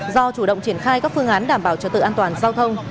do chủ động triển khai các phương án đảm bảo trật tự an toàn giao thông